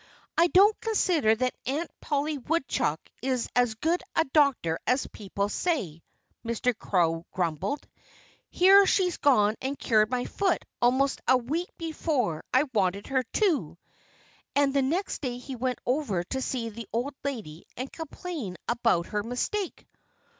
"I don't consider that Aunt Polly Woodchuck is as good a doctor as people say," Mr. Crow grumbled. "Here she's gone and cured my foot almost a week before I wanted her to!" And the next day he went over to see the old lady and complain about her mistake.